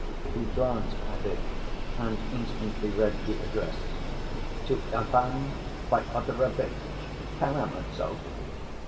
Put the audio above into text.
He glanced at it and instantly read the address, "To Ivan Fyodorovitch Karamazov."